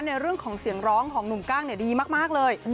ในเรื่องของเสียงร้องของหนุ่มกั้งดีมากเลย